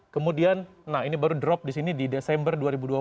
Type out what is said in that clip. kemudian nah ini baru drop di sini di desember dua ribu dua puluh